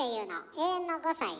永遠の５歳よ。